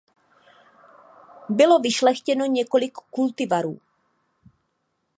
Bylo vyšlechtěno několik kultivarů.